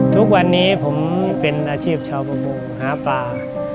ทุกวันนี้ผมเป็นอาชีพชาวประบูหาปลา